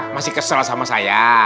masih kesel sama saya